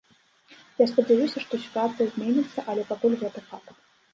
Я спадзяюся, што сітуацыя зменіцца, але пакуль гэта факт.